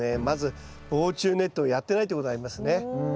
まず防虫ネットをやってないってことがありますね。